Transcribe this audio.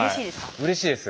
うれしいです。